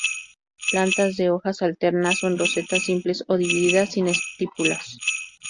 Plantas de hojas alternas o en roseta, simples o divididas, sin estípulas.